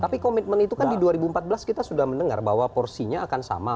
tapi komitmen itu kan di dua ribu empat belas kita sudah mendengar bahwa porsinya akan sama